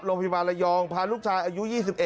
โรงพยาบาลระยองพาลูกชายอายุ๒๑